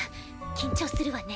緊張するわね。